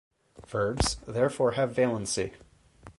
Verbs therefore have valency.